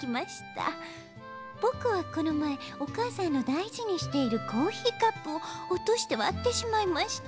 「ぼくはこのまえおかあさんのだいじにしているコーヒーカップをおとしてわってしまいました」。